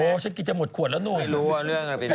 ฉันกินจะหมดขวดแล้วหนุ่มไม่รู้ว่าเรื่องอะไรเป็นยังไง